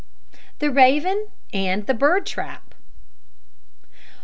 THE RAVEN AND THE BIRD TRAP.